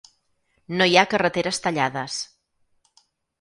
No hi ha carreteres tallades.